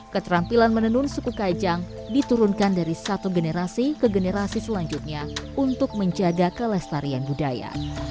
keterampilan menenun suku kajang diturunkan dari satu generasi ke generasi selanjutnya untuk menjaga kelestarian budaya